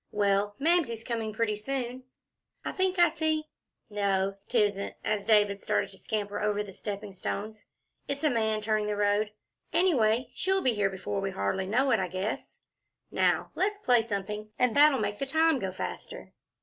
Well, Mamsie's coming pretty soon. I think I see No, 'tisn't," as David started to scamper over the stepping stones "it's a man turning the road. Anyway, she'll be here before we hardly know it, I guess. Now let's play something, and that'll make the time go faster."